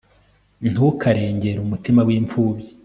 ntukarengere umurima w'imfubyi